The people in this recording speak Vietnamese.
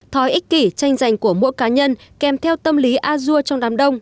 thói ích kỷ tranh giành của mỗi cá nhân kèm theo tâm lý azure trong đám đông